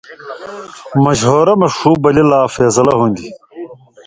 مشورہ مہ ݜُو بلیۡ لا فېصلہ ہُون٘دیۡ